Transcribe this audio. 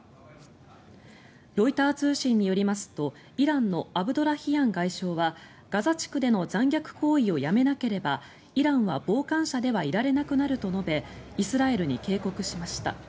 ロイター通信によりますとイランのアブドラヒアン外相はガザ地区での残虐行為をやめなければイランは傍観者ではいられなくなると述べイスラエルに警告しました。